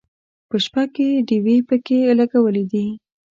په شپه کې ډیوې پکې لګولې دي.